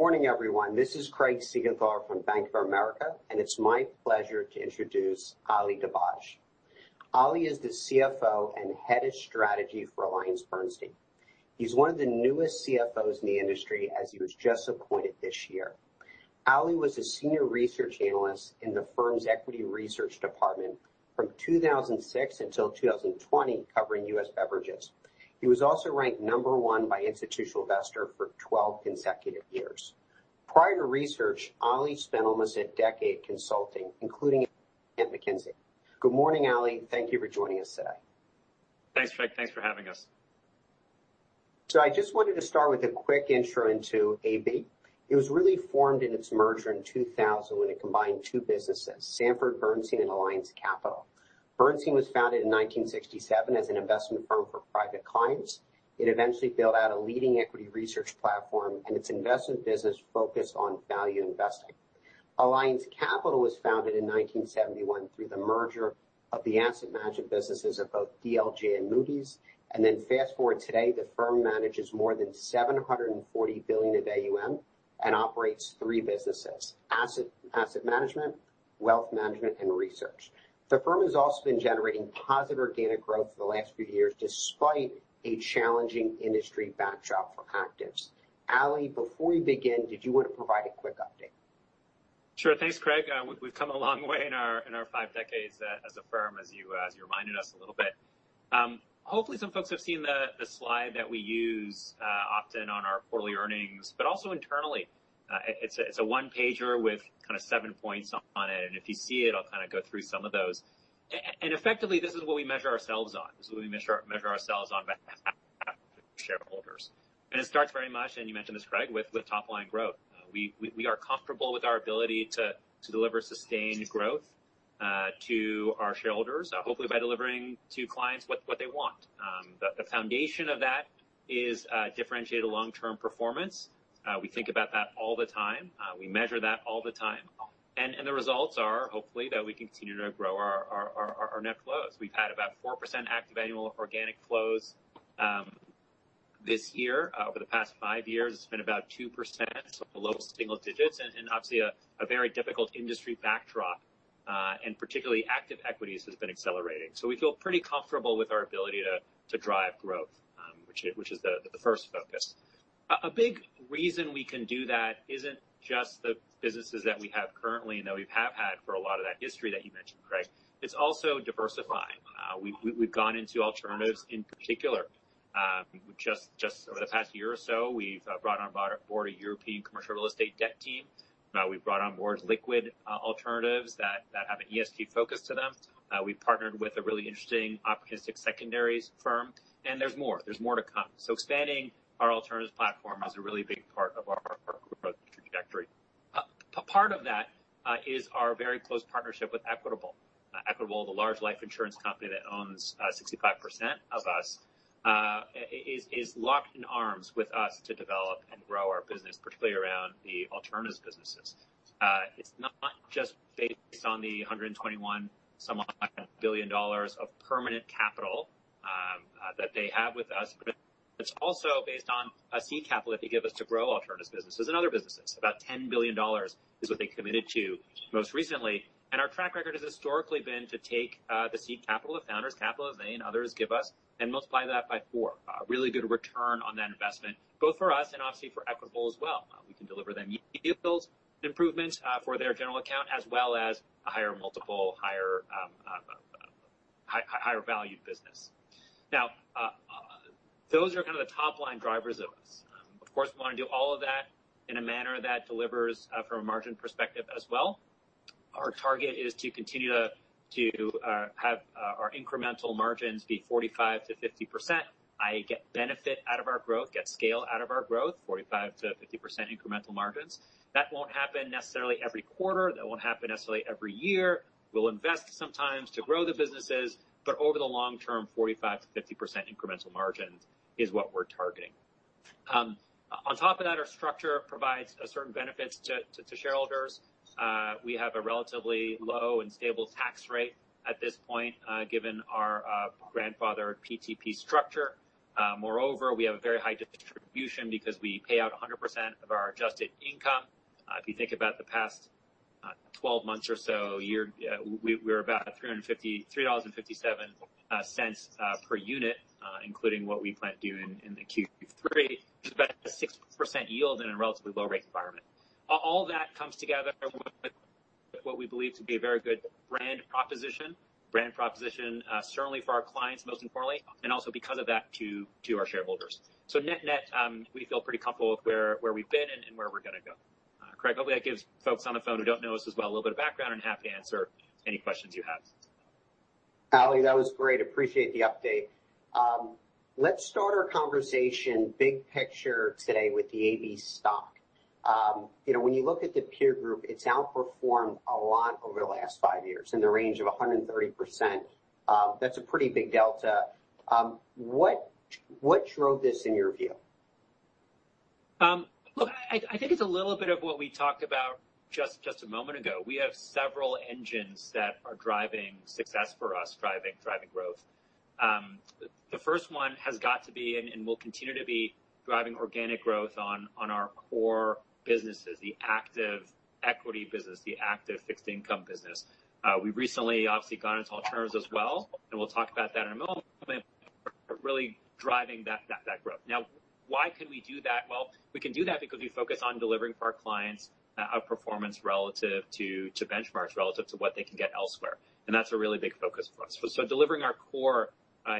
Morning, everyone. This is Craig Siegenthaler from Bank of America, and it's my pleasure to introduce Ali Dibadj. Ali is the CFO and Head of Strategy for AllianceBernstein. He's one of the newest CFOs in the industry, as he was just appointed this year. Ali was a senior research analyst in the firm's equity research department from 2006 until 2020, covering U.S. beverages. He was also ranked Number one by Institutional Investor for 12 consecutive years. Prior to research, Ali spent almost a decade consulting, including at McKinsey. Good morning, Ali. Thank you for joining us today. Thanks, Craig. Thanks for having us. I just wanted to start with a quick intro into AB. It was really formed in its merger in 2000 when it combined two businesses, Sanford C. Bernstein and Alliance Capital. Bernstein was founded in 1967 as an investment firm for private clients. It eventually built out a leading equity research platform and its investment business focused on value investing. Alliance Capital was founded in 1971 through the merger of the asset management businesses of both DLJ and Moody's. Fast-forward today, the firm manages more than $740 billion of AUM and operates three businesses, asset management, wealth management, and research. The firm has also been generating positive organic growth for the last few years, despite a challenging industry backdrop for actives. Ali, before you begin, did you want to provide a quick update? Sure. Thanks, Craig. We've come a long way in our five decades as a firm, as you reminded us a little bit. Hopefully, some folks have seen the slide that we use often on our quarterly earnings, but also internally. It's a one-pager with kind of seven points on it, and if you see it, I'll kind of go through some of those. Effectively, this is what we measure ourselves on shareholders. It starts very much, and you mentioned this, Craig, with top-line growth. We are comfortable with our ability to deliver sustained growth to our shareholders, hopefully by delivering to clients what they want. The foundation of that is differentiated long-term performance. We think about that all the time. We measure that all the time. The results are, hopefully, that we continue to grow our net flows. We've had about 4% active annual organic flows this year. Over the past five years, it's been about 2%, so below single digits, and obviously a very difficult industry backdrop, and particularly active equities has been accelerating. We feel pretty comfortable with our ability to drive growth, which is the first focus. A big reason we can do that isn't just the businesses that we have currently and that we've had for a lot of that history that you mentioned, Craig. It's also diversifying. We've gone into alternatives in particular. Just over the past year or so, we've brought on board a European commercial real estate debt team. We've brought on board liquid alternatives that have an ESG focus to them. We partnered with a really interesting opportunistic secondaries firm, and there's more. There's more to come. Expanding our alternatives platform is a really big part of our growth trajectory. Part of that is our very close partnership with Equitable. Equitable, the large life insurance company that owns 65% of us, is locked in arms with us to develop and grow our business, particularly around the alternatives businesses. It's not just based on the $121 billion of permanent capital that they have with us, but it's also based on seed capital that they give us to grow alternatives businesses and other businesses. About $10 billion is what they committed to most recently. Our track record has historically been to take the seed capital, the founders' capital, as they and others give us, and multiply that by four. Really good return on that investment, both for us and obviously for Equitable as well. We can deliver them yields improvements for their general account, as well as a higher multiple, higher valued business. Now, those are kind of the top-line drivers of this. Of course, we want to do all of that in a manner that delivers from a margin perspective as well. Our target is to continue to have our incremental margins be 45%-50%. I get benefit out of our growth, get scale out of our growth, 45%-50% incremental margins. That won't happen necessarily every quarter. That won't happen necessarily every year. We'll invest sometimes to grow the businesses, but over the long term, 45%-50% incremental margins is what we're targeting. On top of that, our structure provides certain benefits to shareholders. We have a relatively low and stable tax rate at this point, given our grandfather PTP structure. Moreover, we have a very high distribution because we pay out 100% of our adjusted income. If you think about the past 12 months or so, year, we're about $353.57 per unit, including what we plan to do in the Q3. It's about a 6% yield in a relatively low rate environment. All that comes together with what we believe to be a very good brand proposition. Brand proposition, certainly for our clients, most importantly, and also because of that, to our shareholders. Net-net, we feel pretty comfortable with where we've been and where we're gonna go. Craig, hopefully that gives folks on the phone who don't know us as well a little bit of background, and happy to answer any questions you have. Ali, that was great. I appreciate the update. Let's start our conversation big picture today with the AB stock. You know, when you look at the peer group, it's outperformed a lot over the last five years in the range of 130%. That's a pretty big delta. What drove this in your view? Look, I think it's a little bit of what we talked about just a moment ago. We have several engines that are driving success for us, driving growth. The first one has got to be and will continue to be driving organic growth on our core businesses, the active equity business, the active fixed income business. We recently obviously got into alternatives as well, and we'll talk about that in a moment, but really driving that growth. Now, why could we do that? Well, we can do that because we focus on delivering for our clients, a performance relative to benchmarks, relative to what they can get elsewhere. That's a really big focus for us. Delivering our core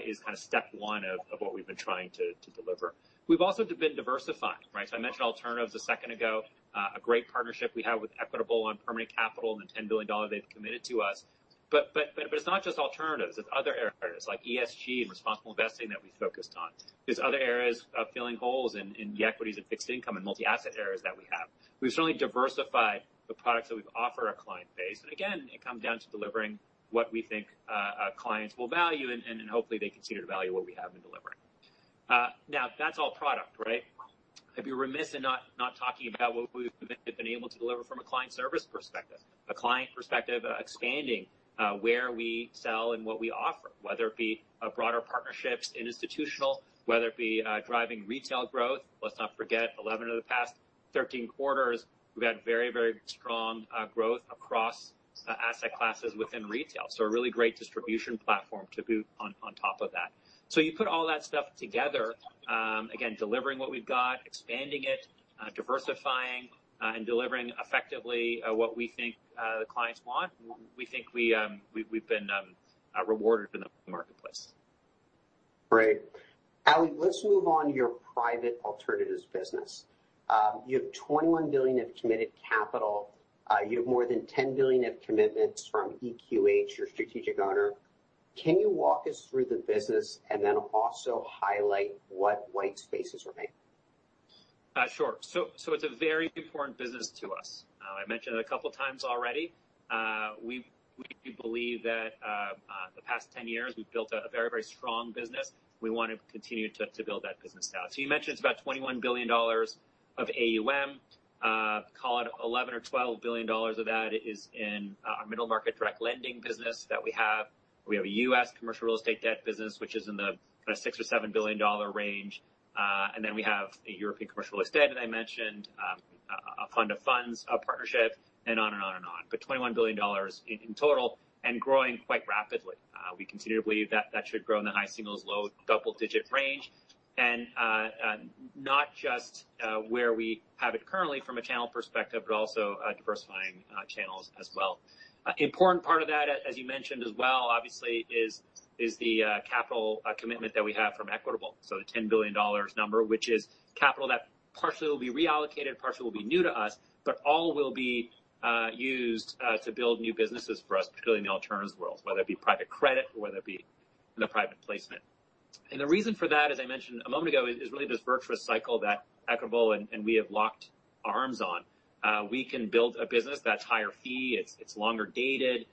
is kind of step one of what we've been trying to deliver. We've also been diversifying, right? I mentioned alternatives a second ago, a great partnership we have with Equitable on permanent capital and the $10 billion they've committed to us. It's not just alternatives. It's other areas like ESG and responsible investing that we focused on. There are other areas of filling holes in the equities and fixed income and multi-asset areas that we have. We've certainly diversified the products that we offer our client base. Again, it comes down to delivering what we think clients will value and hopefully they continue to value what we have been delivering. Now that's all product, right? I'd be remiss in not talking about what we've been able to deliver from a client service perspective. A client perspective, expanding where we sell and what we offer, whether it be broader partnerships in institutional, whether it be driving retail growth. Let's not forget, 11 of the past 13 quarters, we've had very strong growth across asset classes within retail. A really great distribution platform to boot on top of that. You put all that stuff together, again, delivering what we've got, expanding it, diversifying, and delivering effectively what we think the clients want. We think we've been rewarded in the marketplace. Great. Ali, let's move on to your private alternatives business. You have $21 billion of committed capital. You have more than $10 billion of commitments from EQH, your strategic owner. Can you walk us through the business and then also highlight what white spaces remain? Sure. It's a very important business to us. I mentioned it a couple of times already. We believe that the past 10 years, we've built a very strong business. We want to continue to build that business out. You mentioned it's about $21 billion of AUM. Call it $11 or $12 billion of that is in our middle market direct lending business. We have a U.S. commercial real estate debt business, which is in the $6 or $7 billion range. We have a European commercial real estate that I mentioned, a fund of funds partnership, and on and on and on. $21 billion in total and growing quite rapidly. We continue to believe that should grow in the high single-digit, low double-digit range. Not just where we have it currently from a channel perspective, but also diversifying channels as well. An important part of that, as you mentioned as well, obviously, is the capital commitment that we have from Equitable. The $10 billion number, which is capital that partially will be reallocated, partially will be new to us, but all will be used to build new businesses for us, particularly in the alternatives world, whether it be private credit or whether it be in a private placement. The reason for that, as I mentioned a moment ago, is really this virtuous cycle that Equitable and we have locked arms on. We can build a business that's higher fee, it's longer dated,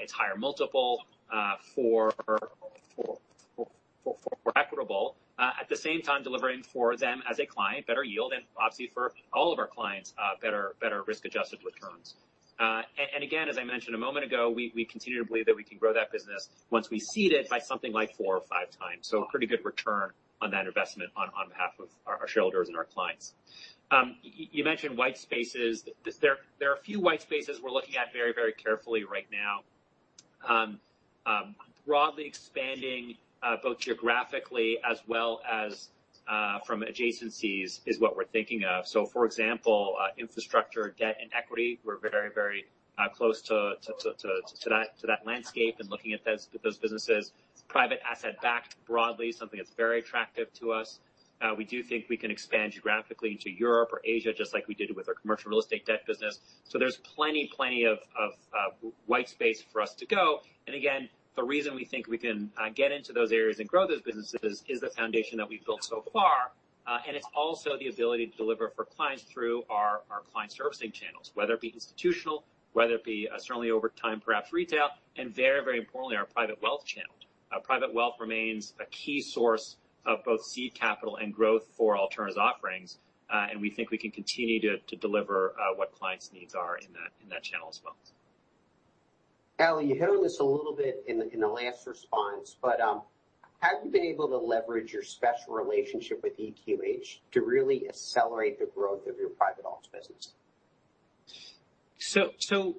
it's higher multiple, for Equitable. At the same time delivering for them as a client, better yield, and obviously for all of our clients, better risk-adjusted returns. Again, as I mentioned a moment ago, we continue to believe that we can grow that business once we seed it by something like four or five times. Pretty good return on that investment on behalf of our shareholders and our clients. You mentioned white spaces. There are a few white spaces we're looking at very carefully right now. Broadly expanding both geographically as well as from adjacencies is what we're thinking of. For example, infrastructure, debt and equity. We're very close to that landscape and looking at those businesses. Private asset backed broadly, something that's very attractive to us. We do think we can expand geographically into Europe or Asia, just like we did with our commercial real estate debt business. There's plenty of white space for us to go. Again, the reason we think we can get into those areas and grow those businesses is the foundation that we've built so far. It's also the ability to deliver for clients through our client servicing channels, whether it be institutional, whether it be certainly over time, perhaps retail, and very importantly, our private wealth channels. Our private wealth remains a key source of both seed capital and growth for alternatives offerings, and we think we can continue to deliver what clients needs are in that channel as well. Ali, you hit on this a little bit in the last response, but have you been able to leverage your special relationship with EQH to really accelerate the growth of your private alts business?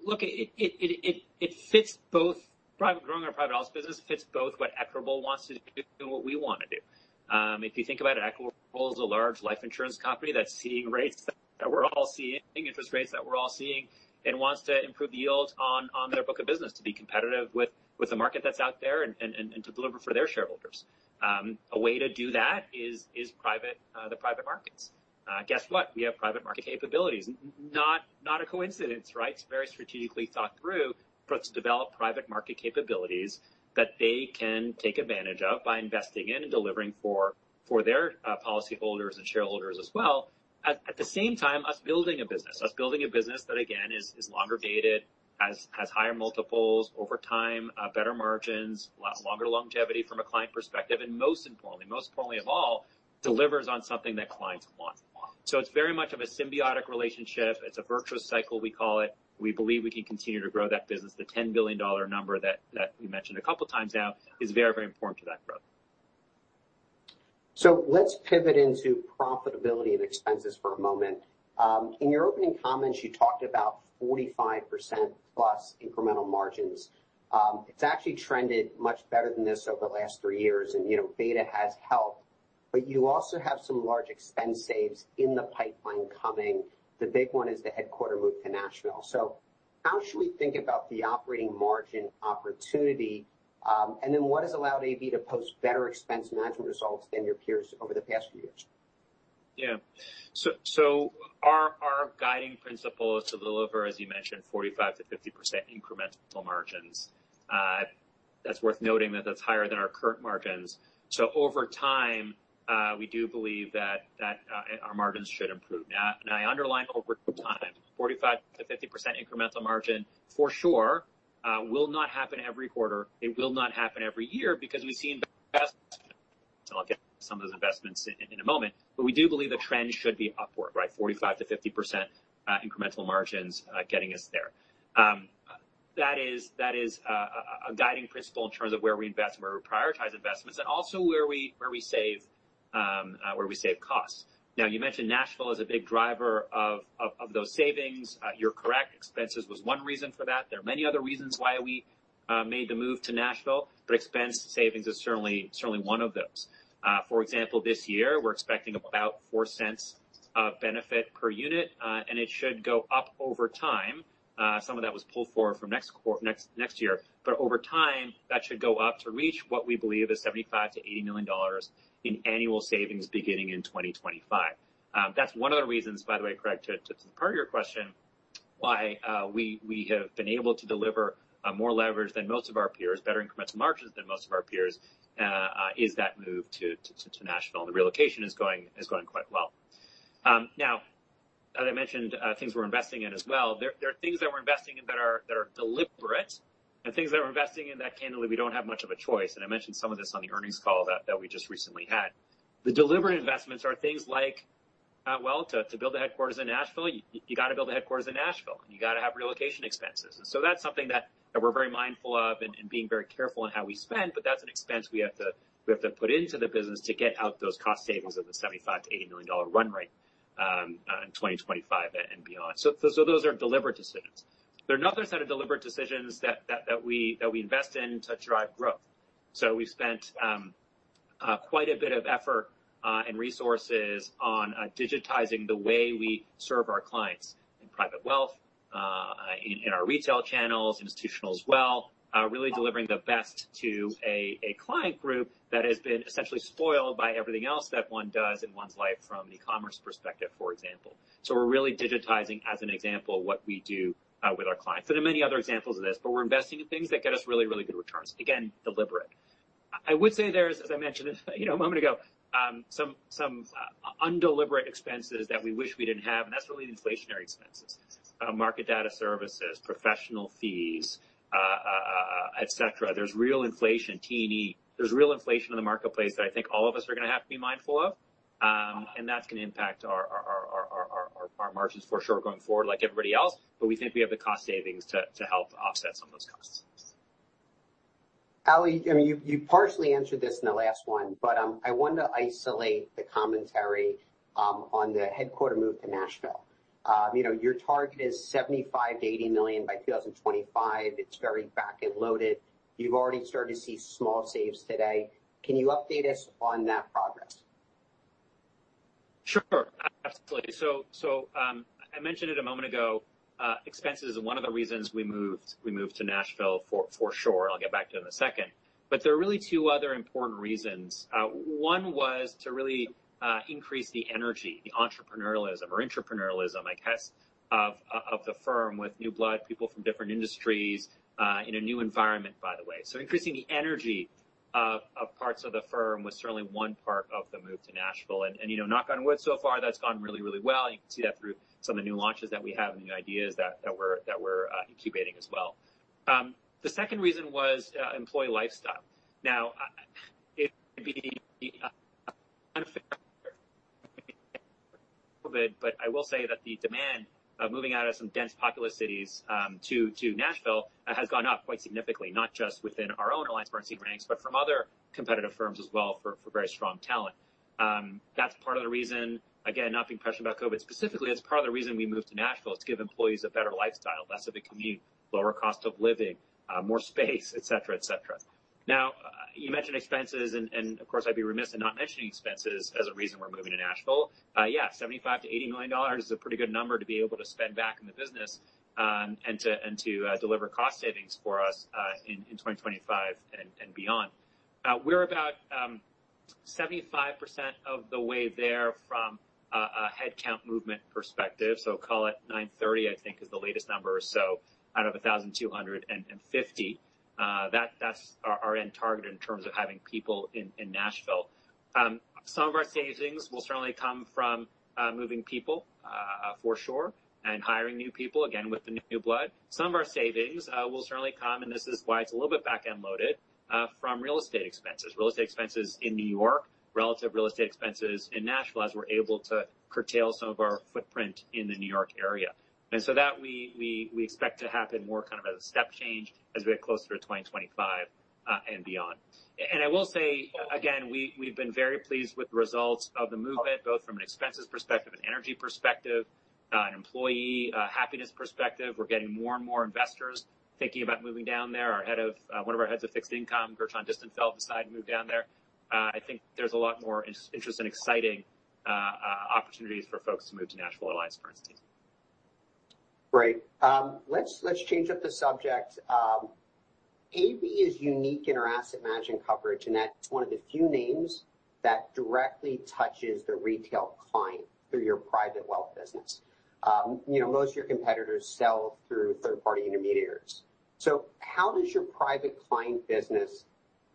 Look, it fits both—growing our private alts business fits both what Equitable wants to do and what we want to do. If you think about it, Equitable is a large life insurance company that's seeing rates that we're all seeing, interest rates that we're all seeing, and wants to improve yield on their book of business to be competitive with the market that's out there and to deliver for their shareholders. A way to do that is private markets. Guess what? We have private market capabilities. Not a coincidence, right? It's very strategically thought through for us to develop private market capabilities that they can take advantage of by investing in and delivering for their policy holders and shareholders as well. At the same time, us building a business that, again, is longer dated, has higher multiples over time, better margins, longer longevity from a client perspective, and most importantly of all, delivers on something that clients want. It's very much of a symbiotic relationship. It's a virtuous cycle, we call it. We believe we can continue to grow that business. The $10 billion number that we mentioned a couple times now is very important to that growth. Let's pivot into profitability and expenses for a moment. In your opening comments, you talked about 45%+ incremental margins. It's actually trended much better than this over the last three years and, you know, beta has helped, but you also have some large expense saves in the pipeline coming. The big one is the headquarters move to Nashville. How should we think about the operating margin opportunity? And then what has allowed AB to post better expense management results than your peers over the past few years? Yeah. Our guiding principle is to deliver, as you mentioned, 45%-50% incremental margins. That's worth noting that that's higher than our current margins. Over time, we do believe our margins should improve. Now I underline over time, 45%-50% incremental margin for sure will not happen every quarter. It will not happen every year because we've seen investments, and I'll get to some of those investments in a moment. We do believe the trend should be upward, right, 45%-50% incremental margins getting us there. That is a guiding principle in terms of where we invest, where we prioritize investments, and also where we save costs. Now, you mentioned Nashville is a big driver of those savings. You're correct. Expenses was one reason for that. There are many other reasons why we made the move to Nashville, but expense savings is certainly one of those. For example, this year we're expecting about $0.04 of benefit per unit, and it should go up over time. Some of that was pulled forward from next year. Over time, that should go up to reach what we believe is $75 million-$80 million in annual savings beginning in 2025. That's one of the reasons, by the way, Craig, to parlay your question, why we have been able to deliver more leverage than most of our peers, better incremental margins than most of our peers, is that move to Nashville. The relocation is going quite well. Now, as I mentioned, things we're investing in as well. There are things that we're investing in that are deliberate and things that we're investing in that candidly, we don't have much of a choice. I mentioned some of this on the earnings call that we just recently had. The deliberate investments are things like, well, to build a headquarters in Nashville, you gotta build a headquarters in Nashville, and you gotta have relocation expenses. That's something that we're very mindful of and being very careful in how we spend. That's an expense we have to put into the business to get out those cost savings of the $75 million-$80 million run rate in 2025 and beyond. Those are deliberate decisions. There are another set of deliberate decisions that we invest in to drive growth. We've spent quite a bit of effort and resources on digitizing the way we serve our clients in private wealth, in our retail channels, institutional as well, really delivering the best to a client group that has been essentially spoiled by everything else that one does in one's life from an e-commerce perspective, for example. We're really digitizing as an example, what we do, with our clients. There are many other examples of this, but we're investing in things that get us really, really good returns. Again, deliberate. I would say there's, as I mentioned, you know, a moment ago, some undeliberate expenses that we wish we didn't have, and that's really the inflationary expenses, market data services, professional fees, et cetera. There's real inflation, T&E. There's real inflation in the marketplace that I think all of us are gonna have to be mindful of, and that's gonna impact our margins for sure going forward like everybody else. We think we have the cost savings to help offset some of those costs. Ali, I mean, you partially answered this in the last one, but I want to isolate the commentary on the headquarters move to Nashville. You know, your target is $75 million-$80 million by 2025. It's very back-end loaded. You've already started to see small savings today. Can you update us on that progress? Sure. Absolutely. I mentioned it a moment ago, expenses is one of the reasons we moved to Nashville for sure. I'll get back to it in a second. There are really two other important reasons. One was to really increase the energy, the entrepreneurialism or entrepreneurialism, I guess, of the firm with new blood, people from different industries, in a new environment, by the way. Increasing the energy of parts of the firm was certainly one part of the move to Nashville. You know, knock on wood, so far, that's gone really well. You can see that through some of the new launches that we have and the new ideas that we're incubating as well. The second reason was employee lifestyle. Now, it'd be unfair but I will say that the demand of moving out of some dense populous cities to Nashville has gone up quite significantly, not just within our own AllianceBernstein ranks, but from other competitive firms as well, for very strong talent. That's part of the reason, again, not being prescient about COVID specifically, that's part of the reason we moved to Nashville is to give employees a better lifestyle, less of a commute, lower cost of living, more space, et cetera, et cetera. Now, you mentioned expenses, and of course, I'd be remiss in not mentioning expenses as a reason we're moving to Nashville. Yeah, $75 million-$80 million is a pretty good number to be able to spend back in the business, and to deliver cost savings for us in 2025 and beyond. We're about 75% of the way there from a headcount movement perspective. Call it 930, I think, is the latest number or so out of 1,250. That's our end target in terms of having people in Nashville. Some of our savings will certainly come from moving people, for sure, and hiring new people, again, with the new blood. Some of our savings will certainly come, and this is why it's a little bit back-end loaded, from real estate expenses. Real estate expenses in New York, relative real estate expenses in Nashville, as we're able to curtail some of our footprint in the New York area. That we expect to happen more kind of as a step change as we get closer to 2025 and beyond. I will say again, we've been very pleased with the results of the movement, both from an expenses perspective, an energy perspective, an employee happiness perspective. We're getting more and more investors thinking about moving down there. Our head of one of our heads of fixed income, Gershon Distenfeld, decided to move down there. I think there's a lot more interesting and exciting opportunities for folks to move to Nashville, AllianceBernstein, for instance. Great. Let's change up the subject. AB is unique in our asset management coverage, and that's one of the few names that directly touches the retail client through your private wealth business. You know, most of your competitors sell through third-party intermediaries. How does your private client business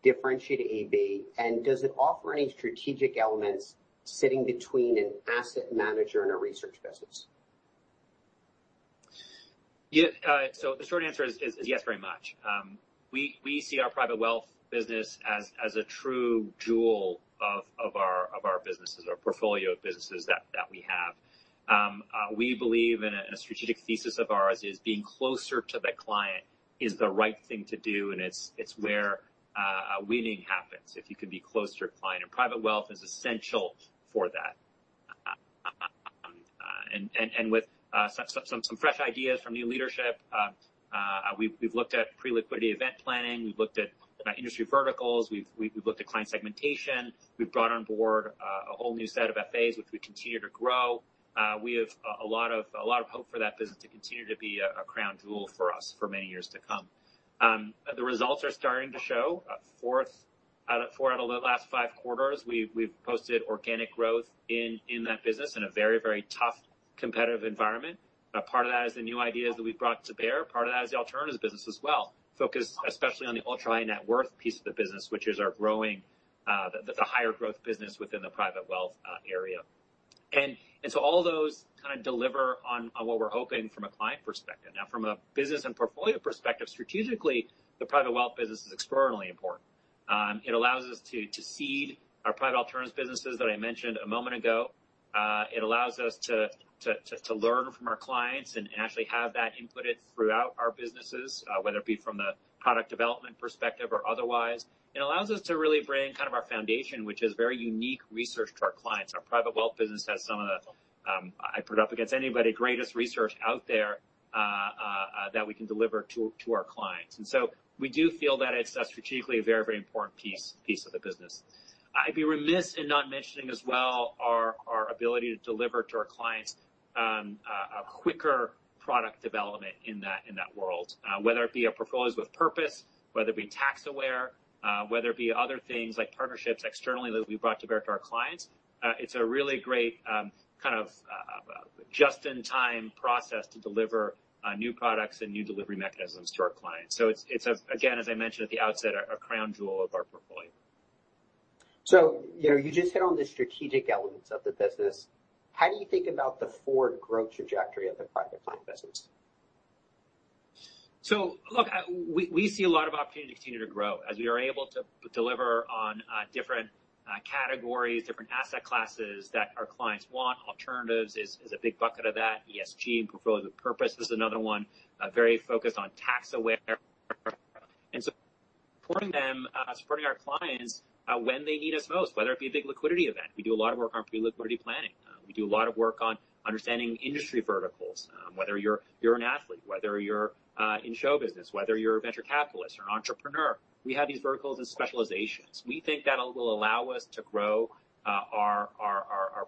differentiate AB, and does it offer any strategic elements sitting between an asset manager and a research business? Yeah, the short answer is yes, very much. We see our private wealth business as a true jewel of our businesses, our portfolio of businesses that we have. We believe and a strategic thesis of ours is being closer to the client is the right thing to do, and it's where winning happens if you can be closer to your client, and private wealth is essential for that. With some fresh ideas from new leadership, we've looked at pre-liquidity event planning. We've looked at industry verticals. We've looked at client segmentation. We've brought on board a whole new set of FAs, which we continue to grow. We have a lot of hope for that business to continue to be a crown jewel for us for many years to come. The results are starting to show. Four out of the last five quarters, we've posted organic growth in that business in a very tough competitive environment. A part of that is the new ideas that we've brought to bear. Part of that is the alternatives business as well, focused especially on the ultra-high net worth piece of the business, which is the higher growth business within the private wealth area. All those kind of deliver on what we're hoping from a client perspective. Now from a business and portfolio perspective, strategically, the private wealth business is extraordinarily important. It allows us to seed our private alternatives businesses that I mentioned a moment ago. It allows us to learn from our clients and actually have that inputted throughout our businesses, whether it be from the product development perspective or otherwise. It allows us to really bring kind of our foundation, which is very unique research to our clients. Our private wealth business has some of the, I put it up against anybody, greatest research out there, that we can deliver to our clients. We do feel that it's a strategically very important piece of the business. I'd be remiss in not mentioning as well our ability to deliver to our clients a quicker product development in that world. Whether it be our Portfolios with Purpose, whether it be tax-aware, whether it be other things like partnerships externally that we've brought to bear to our clients. It's a really great, kind of, just-in-time process to deliver new products and new delivery mechanisms to our clients. It's, again, as I mentioned at the outset, a crown jewel of our portfolio. You know, you just hit on the strategic elements of the business. How do you think about the forward growth trajectory of the private client business? Look, we see a lot of opportunity to continue to grow as we are able to deliver on different categories, different asset classes that our clients want. Alternatives is a big bucket of that. ESG and Portfolios with Purpose is another one, very focused on tax-aware. Supporting them, supporting our clients, when they need us most, whether it be a big liquidity event, we do a lot of work on pre-liquidity planning. We do a lot of work on understanding industry verticals, whether you're an athlete, whether you're in show business, whether you're a venture capitalist or an entrepreneur. We have these verticals as specializations. We think that will allow us to grow our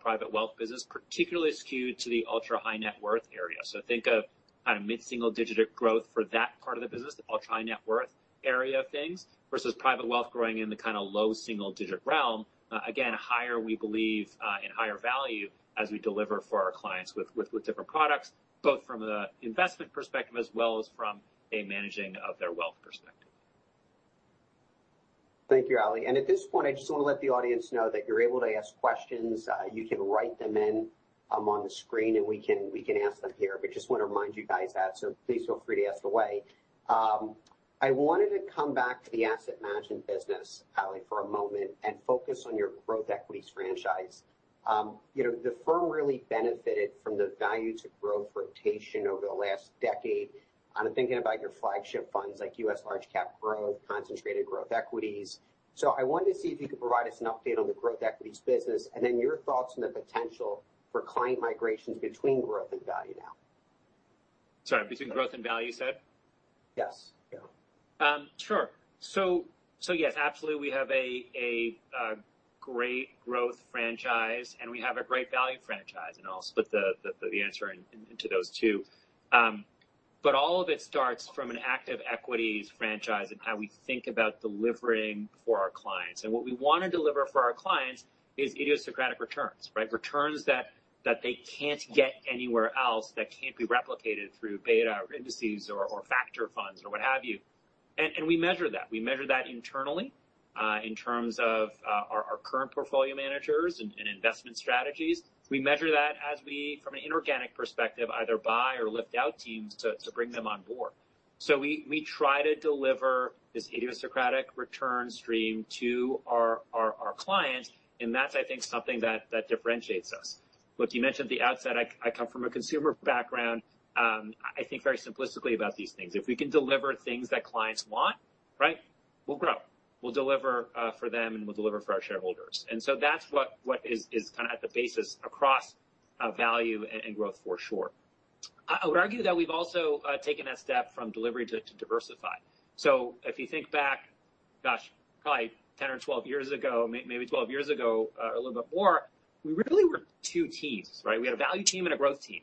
private wealth business, particularly skewed to the ultra-high net worth area. Think of kind of mid-single-digit growth for that part of the business, the ultra-high net worth area of things, versus private wealth growing in the kind of low single digit realm. Again, higher, we believe, and higher value as we deliver for our clients with different products, both from an investment perspective as well as from a managing of their wealth perspective. Thank you, Ali. At this point, I just want to let the audience know that you're able to ask questions. You can write them in on the screen, and we can ask them here. Just want to remind you guys that please feel free to ask away. I wanted to come back to the asset management business, Ali, for a moment and focus on your growth equities franchise. You know, the firm really benefited from the value to growth rotation over the last decade. I'm thinking about your flagship funds like U.S. Large Cap Growth, Concentrated Growth. I wanted to see if you could provide us an update on the growth equities business and then your thoughts on the potential for client migrations between growth and value now. Sorry, between growth and value, you said? Yes. Yeah. Sure. So yes, absolutely, we have a great growth franchise, and we have a great value franchise. I'll split the answer into those two. All of it starts from an active equities franchise and how we think about delivering for our clients. What we wanna deliver for our clients is idiosyncratic returns, right? Returns that they can't get anywhere else, that can't be replicated through beta or indices or factor funds or what have you. We measure that. We measure that internally in terms of our current portfolio managers and investment strategies. We measure that as we, from an inorganic perspective, either buy or lift out teams to bring them on board. We try to deliver this idiosyncratic return stream to our clients, and that's, I think, something that differentiates us. What you mentioned at the outset, I come from a consumer background. I think very simplistically about these things. If we can deliver things that clients want, right, we'll grow. We'll deliver for them, and we'll deliver for our shareholders. That's what is kind of at the basis across value and growth for sure. I would argue that we've also taken a step from delivery to diversify. If you think back, gosh, probably 10 or 12 years ago, maybe 12 years ago, or a little bit more, we really were two teams, right? We had a value team and a growth team.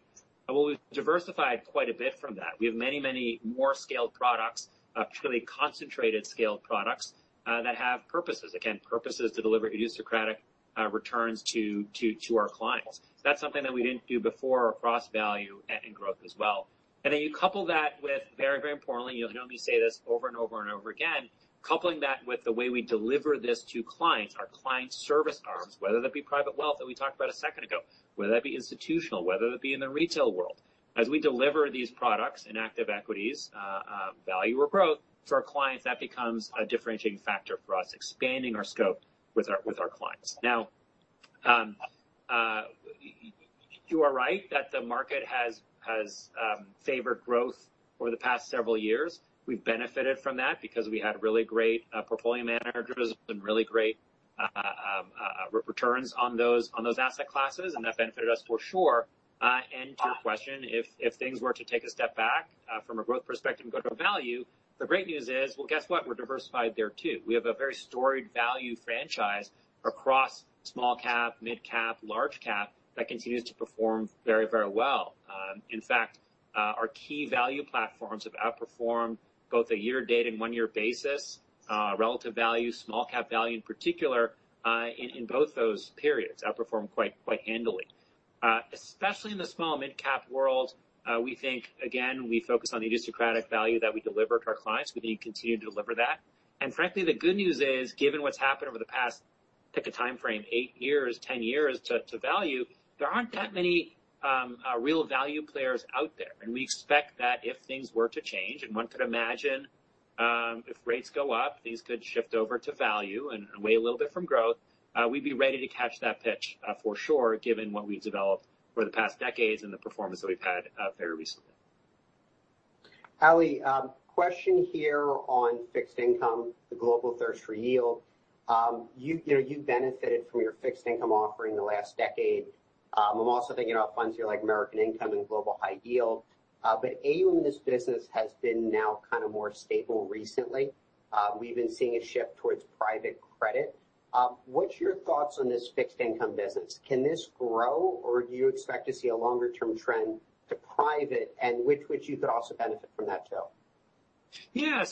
We've diversified quite a bit from that. We have many, many more scaled products, truly concentrated scaled products, that have purposes. Again, purposes to deliver idiosyncratic returns to our clients. That's something that we didn't do before across value and in growth as well. Then you couple that with very, very importantly, you'll hear me say this over and over and over again, coupling that with the way we deliver this to clients, our client service arms, whether that be private wealth that we talked about a second ago, whether that be institutional, whether it be in the retail world. As we deliver these products in active equities, value or growth to our clients, that becomes a differentiating factor for us, expanding our scope with our clients. Now, you are right that the market has favored growth over the past several years. We've benefited from that because we had really great portfolio managers and really great returns on those asset classes, and that benefited us for sure. To your question, if things were to take a step back from a growth perspective and go to a value, the great news is, well, guess what? We're diversified there too. We have a very storied value franchise across small cap, mid cap, large cap that continues to perform very, very well. In fact, our key value platforms have outperformed both a year-to-date and one year basis, relative value, small cap value in particular, in both those periods, outperformed quite handily. Especially in the small mid cap world, we think, again, we focus on the idiosyncratic value that we deliver to our clients. We continue to deliver that. Frankly, the good news is, given what's happened over the past, pick a timeframe, eight years, 10 years to value, there aren't that many real value players out there. We expect that if things were to change, and one could imagine, if rates go up, things could shift over to value and away a little bit from growth, we'd be ready to catch that pitch for sure, given what we've developed over the past decades and the performance that we've had very recently. Ali, question here on fixed income, the global thirst for yield. You know, you benefited from your fixed income offering the last decade. I'm also thinking about funds here like American Income and Global High Yield. But AUM in this business has been now kind of more stable recently. We've been seeing a shift towards private credit. What's your thoughts on this fixed income business? Can this grow, or do you expect to see a longer term trend to private and which you could also benefit from that too? Yeah,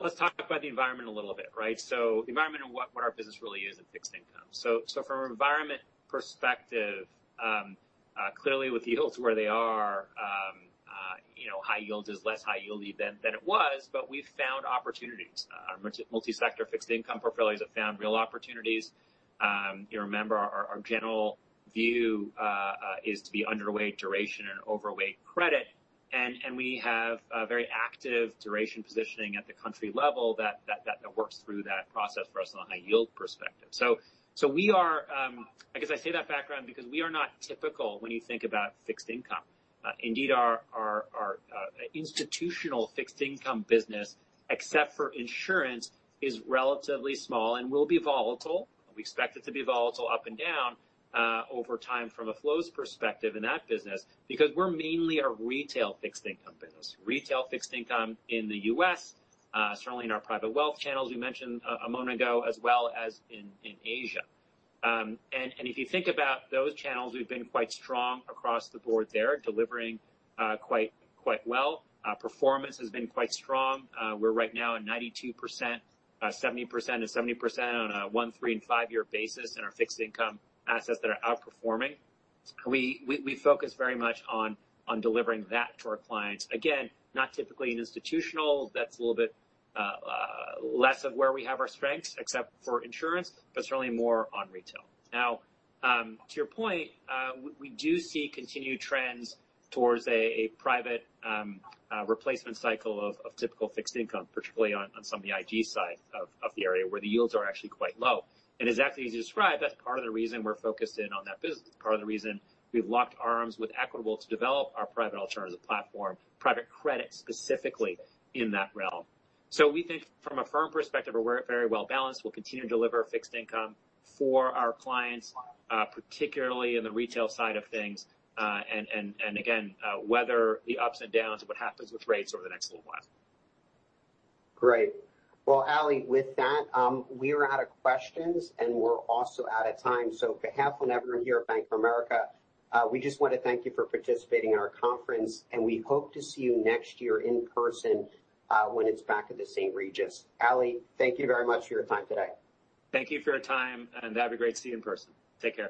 let's talk about the environment a little bit, right? The environment and what our business really is in fixed income. From an environment perspective, clearly with yields where they are, you know, high yields is less high yieldy than it was, but we found opportunities. Our multi-sector fixed income portfolios have found real opportunities. You remember our general view is to be underweight duration and overweight credit. We have a very active duration positioning at the country level that works through that process for us on a high yield perspective. I guess I say that as background because we are not typical when you think about fixed income. Indeed our institutional fixed income business, except for insurance, is relatively small and will be volatile. We expect it to be volatile up and down over time from a flows perspective in that business because we're mainly a retail fixed income business. Retail fixed income in the U.S. certainly in our private wealth channels we mentioned a moment ago, as well as in Asia. If you think about those channels, we've been quite strong across the board there, delivering quite well. Performance has been quite strong. We're right now at 92%, 70% and 70% on a one-, three-, and 5-year basis in our fixed income assets that are outperforming. We focus very much on delivering that to our clients. Again, not typically in institutional. That's a little bit less of where we have our strengths, except for insurance, but certainly more on retail. Now, to your point, we do see continued trends towards a private replacement cycle of typical fixed income, particularly on some of the IG side of the area where the yields are actually quite low. Exactly as you described, that's part of the reason we're focused in on that business. It's part of the reason we've locked arms with Equitable to develop our private alternative platform, private credit specifically in that realm. We think from a firm perspective, we're very well-balanced. We'll continue to deliver fixed income for our clients, particularly in the retail side of things, and again, weather the ups and downs of what happens with rates over the next little while. Great. Well, Ali, with that, we are out of questions, and we're also out of time. On behalf of everyone here at Bank of America, we just want to thank you for participating in our conference, and we hope to see you next year in person, when it's back at the St. Regis. Ali, thank you very much for your time today. Thank you for your time, and that'd be great to see you in person. Take care.